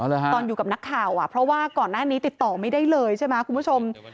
ตอนอยู่กับนักข่าวอ่ะเพราะว่าก่อนหน้านี้ติดต่อไม่ได้เลยใช่ไหมคุณผู้ชม